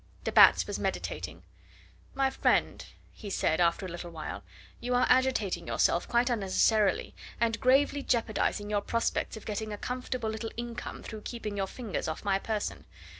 De Batz was meditating. "My friend," he said after a little while, "you are agitating yourself quite unnecessarily, and gravely jeopardising your prospects of getting a comfortable little income through keeping your fingers off my person.